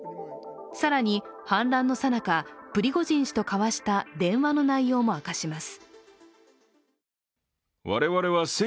更に、反乱のさなか、プリゴジン氏と交わした電話の内容も明かします。